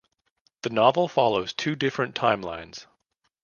The novel follows two different timelines.